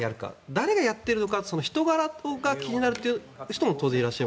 誰がやっているのか人柄が気になるという人も当然いらっしゃる。